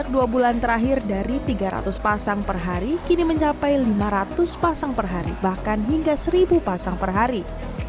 dua bulan terakhir dari tiga ratus pasang per hari kini mencapai lima ratus pasang per hari bahkan hingga seribu pasang per hari